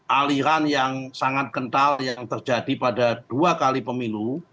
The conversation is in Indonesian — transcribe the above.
aliran yang sangat kental yang terjadi pada dua kali pemilu